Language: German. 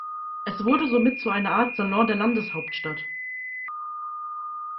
Es wurde somit zu einer Art „Salon der Landeshauptstadt“.